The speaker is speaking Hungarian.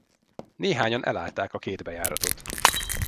Néhányan elállták a két bejáratot.